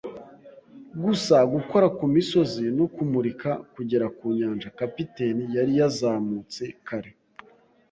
gusa gukora ku misozi no kumurika kugera ku nyanja. Kapiteni yari yazamutse kare